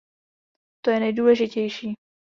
To je nejdůležitější.